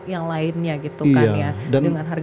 yang lainnya gitu kan ya